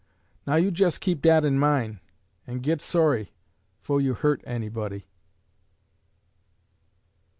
Now you jes keep dat in min' en git sorry fo' you hurt anybody."